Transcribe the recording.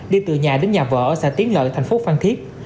đi từ nhà đến nhà vợ ở xã tiến lợi thành phố phan thiết